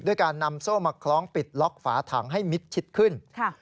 การนำโซ่มาคล้องปิดล็อกฝาถังให้มิดชิดขึ้น